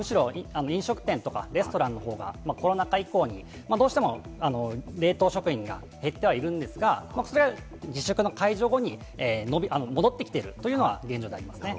業務用のほうは、むしろ飲食店とかレストランの方がコロナ禍以降にどうしても冷凍食品が減ってはいるんですが、自粛の解除後に戻ってきているというのが現状です。